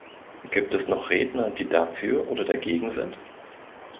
Gibt es noch Redner, die dafür oder dagegen sind?